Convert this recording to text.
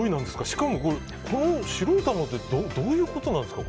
しかもこれ、白い卵ってどういうことなんですか？